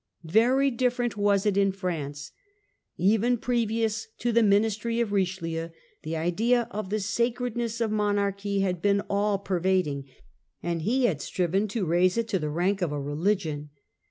Very different was it in France. Even previous to the ministry of Richelieu the idea of the sacredness of monarchy had been all pervading, and he had striven to raise it to the rank of a religion.